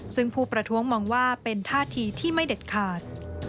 ซึ่งผู้ประท้วงมองว่าเป็นท่าทีที่ไม่เด็ดขาด